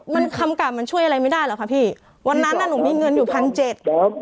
มันคำกลับมันช่วยอะไรไม่ได้หรอกค่ะพี่วันนั้นอ่ะหนูมีเงินอยู่พันเจ็ดครับ